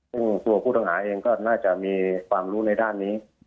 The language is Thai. ซึ่งตัวผู้ต้องหาเองก็น่าจะมีความรู้ในด้านนี้